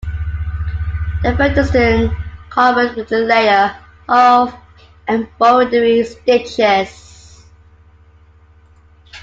The felt is then covered with a layer of embroidery stitches.